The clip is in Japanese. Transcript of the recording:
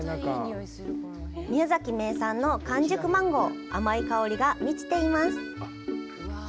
宮崎名産の完熟マンゴー、甘い香りに満ちています。